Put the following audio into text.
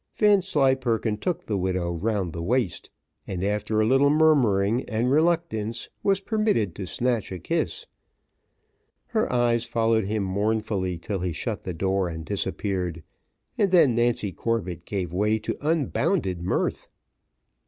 Vanslyperken took the widow round the waist, and after a little murmuring and reluctance, was permitted to snatch a kiss. Her eyes followed him mournfully till he shut the door and disappeared, and then Nancy Corbett gave way to unbounded mirth.